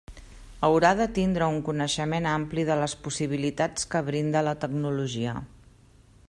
Haurà de tindre un coneixement ampli de les possibilitats que brinda la tecnologia.